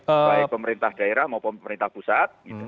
baik pemerintah daerah maupun pemerintah pusat